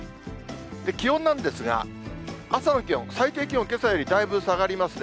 気温なんですが、朝の気温、最低気温、けさよりだいぶ下がりますね。